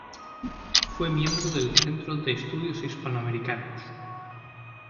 Fue miembro del Centro de Estudios Hispanoamericanos.